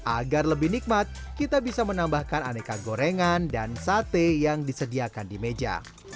agar lebih nikmat kita bisa menambahkan aneka gorengan dan sate yang disediakan di meja